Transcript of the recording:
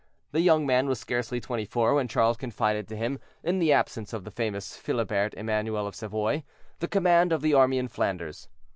The young man was scarcely twenty four when Charles confided to him, in the absence of the famous Philibert Emanuel of Savoy, the command of the army in Flanders.